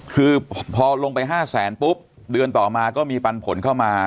คือพอลงไป๕แสนปุ๊บเดือนต่อมาก็มีปันผลเข้ามา